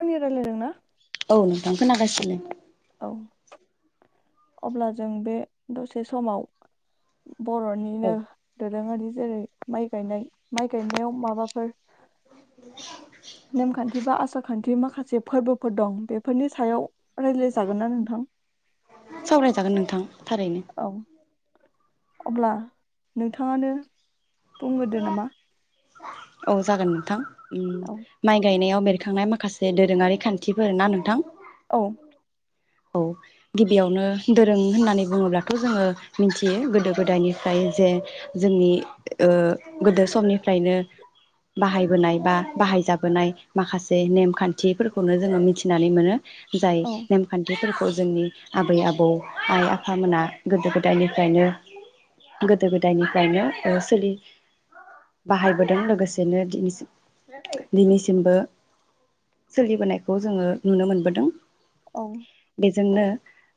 [unintelligible] नि रायलायदों ना? औ नोंथां खोनागासिनो। औ अब्ला जों बे दसे समाव औ बर'निनो दोर रोङारि जेरै माइ गायनाय माइ गायनायाव माबाफोर [inaudible] नेमखान्थि बा आसार खान्थि माखासे फोरबोफोर दं बेफोरनि सायाव रायलाय जागोन ना नोंथां? सावरायजागोन नोंथां थारैनो। औ अब्ला नोंथाङानो बुंगोदो नामा। औ जागोन नोंथां। उम औ माइ गायनायाव बेरखांनाय माखा से दोरोङारि खान्थिफोर ना नोंथां? औ औ गिबियावनो दोरों होननानै बुङोब्लाथ' जोङो मिथियो गोदो गोदायनिफ्राय जे जोंनि ओ गोदो समनिफ्रायनो बाहायबोनाय बा बाहायजाबोनाय माखासे नेमखान्थिफोरखौनो जोङो मिथिनानै मोनो। जाय औ नेमखान्थिफोरखौ जोंनि आबै आबौ आइ आफामोना गोदो गोदायनिफ्रायनो गोदो गोदायनिफ्रायनो ओ सोलि बाहायबोदों लोगो सेनो दिनैसिम दिनैसिमबो सोलिबोनायखौ जोङो नुनो मोनबोदों। औ बेजोंनो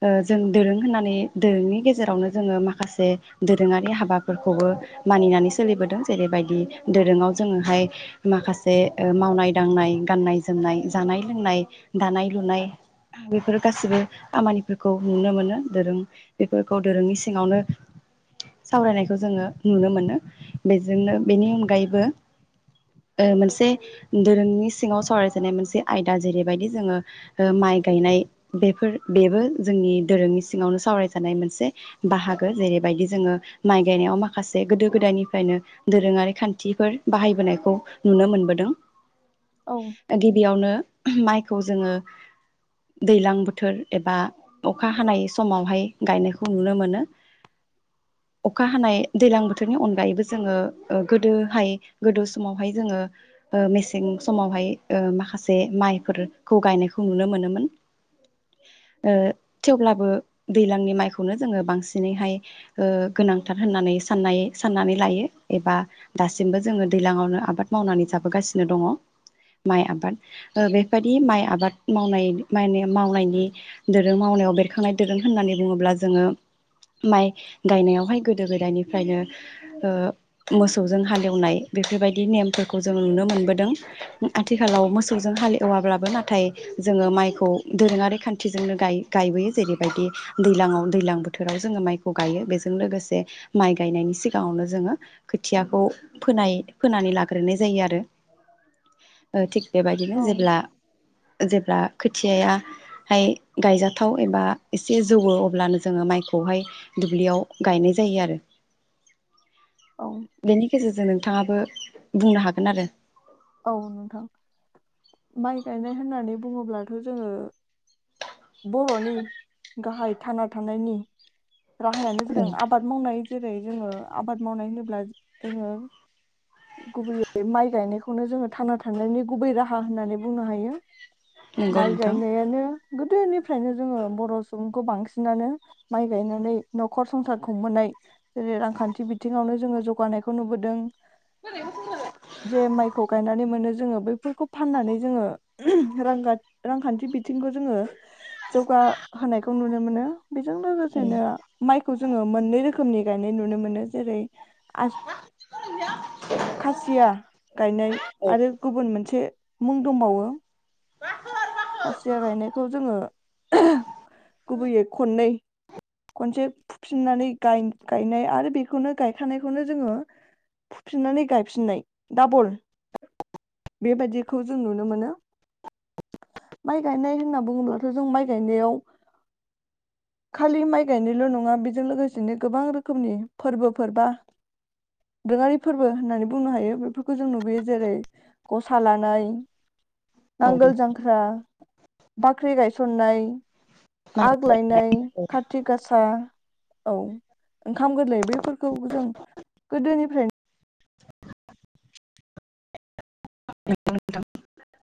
ओ जों दोरों होननानै दोरोंनि गेजेरावनो जोङो माखासे दोरोङारि हाबाफोरखौबो मानिनानै सोलिबोदों जेरैबायदि दोरोङाव जोङोहाय माखासे ओ मावनाय दांनाय गाननाय जोमनाय जानाय लोंनाय दानाय लुनाय बिफोर गासिबो खामानिफोरखौ नुनो मोनो दोरों बेफोरखौ दोरोंनि सिङावनो सावरायनायखौ जोङो नुनो मोनो बेजोंनो बेनि अनगायैबो ओ मोनसे दोरोंनि सिङाव सावरायजानाय मोनसे आयदा जेरैबायदि जोङो ओ माइ गायनाय बेफोर बेबो जोंनि दोरोंनि सिङावनो सावरायजानाय मोनसे बाहागो जेरैबायदि जोङो माइ गायनायाव माखासे गोदो गोदायनिफ्रायनो दोरोङारि खान्थिफोर बाहायबोनायखौ नुनो मोनबोदों। औ गिबियावनो माइखौ जोङो दैलां बोथोर एबा अखा हानाय समावहाय गायनायखौ नुनो मोनो अखा हानाय दैलां बोथोरनि अनगायैबो जोङो ओ गोदोहाय गोदो समावहाय जोङो ओ मेसें समावहाय ओ माखासे माइफोरखौ गायनायखौ नुनो मोनोमोन ओ थेवब्लाबो दैज्लांनि माइखौनो जोङो बांसिनैहाय ओ गोनांथार होननानै साननाय साननानै लायो एबा दासिमबो जोङो दैज्लांआवनो आबाद मावनानै जाबोगासिनो दङ माइ आबाद ओ बेफबादि माइ आबाद मावनाय मायने मावनायनि दोरों मावनायाव बेरखांनाय दोरों होननानै बुङोब्ला जोङो माइ गायनायावहाय गोदो गोदायनिफ्रायनो ओ मोसौजों हालेवनाय बेफोरबायदि नेमफोरखौ जों नुनो मोनबोदों आथिखालाव मोसौजों हाल एवाब्लाबो नाथाय जोङो माइखौ दोरोङारि खान्थिजोंनो गाय गायबोयो जेरैबायदि दैलाङाव दैलां बोथोराव जोङो माइखौ गायो बेजों लोगोसे माइ गायनायनि सिगाङावनो जोङो खोथियाखौ फोनाय फोनानै लाग्रोनाय जायो आरो ओ थिग बेबायदिनो औ जेब्ला जेब्ला खोथियाहाय गायजाथाव एबा एसे जौवो अब्लानो जोङो माइखौहाय दुब्लियाव गायनाय जायो आरो। औ बेनि गेजेर जों नोंथाङाबो बुंनो हागोन आरो। औ नोंथां माइ गायनाय होननानै बुङोब्लाथ' जोङो बर'नि गाहाय थाना थानायनि राहायानो जादों आबाद मावनाय। जेरै जोङो आबाद मावनाय होनोब्ला जोङो गुबैयै माइ गायनायखौनो जोङो थांना थानायनि गुबै राहा होननानै बुंनो हायो। नंगौ माइ नोंथां गायनायानो गोदोनिफ्रायनो जोङो बर' सुबुंखौ बांसिनानो माइ गायनानै न'खर संसारखौ खुंबोनाय जेरै रांखान्थि बिथिङावनो जोङो जौगानायखौ नुबोदों। जे माइखौ गायनानै मोनो जोङो बैफोरखौ फाननानै जोङो रां गाद रां रांखान्थि बिथिंखौ जोङो जौगाहोनायखौ नुनो मोनो। बेजों लोगोसेनो माइखौ जोङो मोननै रोखोम खोमनि गायनाय नुनो मोनो जेरै आस [unintelligible] खासिया गायनाय औ आरो गुबुन मोनसे मुं दंबावो खासिया गायनायखौ जोङो गुबैयै खननै खनसे फुफिननानै गाय-गायनाय आरो बेखौनो गायखानायखौनो जोङो फुफिननानै गायफिननाय डाबल बेबादिखौ जों नुनो मोनो माइ गायनाय होनना बुङोब्लाथ' जों माइ गायनायाव खालि माइ गायनायल' नङा बेजों लोगोसेनो गोबां रोखोमनि फोरबोफोर बा दोरोङारि फोरबो होननानै बुंनो हायो बेफोरखौ जों नुबोयो जेरै गसा लानाय औ नांगोल जांख्रा बाख्रि गाय सननाय। माइ आग लायनाय औ खाथ [unintelligible] औ ओंखाम गोरलै बेैफोरखौ जों गोदोनिफ्राय [unintelligible]